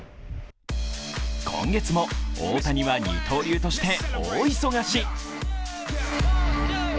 今月も大谷は二刀流として大忙し。